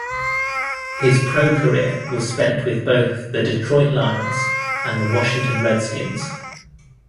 His pro-career was spent with both the Detroit Lions and the Washington Redskins.